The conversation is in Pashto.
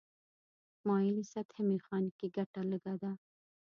مایلې سطحې میخانیکي ګټه لږه ده.